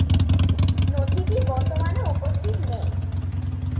নথিটি বর্তমানে উপস্থিত নেই।